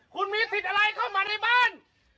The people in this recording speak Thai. คุณมีสิทธิ์อะไรเข้ามาในบ้าน